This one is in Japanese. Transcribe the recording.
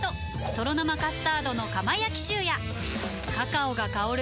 「とろ生カスタードの窯焼きシュー」やカカオが香る！